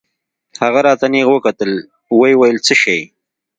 هغه راته نېغ وکتل ويې ويل څه شى.